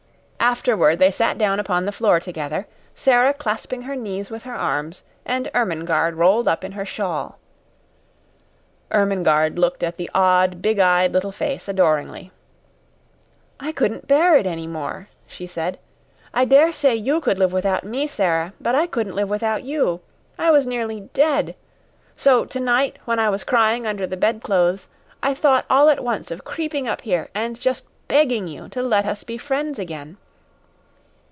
Afterward they sat down upon the floor together, Sara clasping her knees with her arms, and Ermengarde rolled up in her shawl. Ermengarde looked at the odd, big eyed little face adoringly. "I couldn't bear it any more," she said. "I dare say you could live without me, Sara; but I couldn't live without you. I was nearly DEAD. So tonight, when I was crying under the bedclothes, I thought all at once of creeping up here and just begging you to let us be friends again."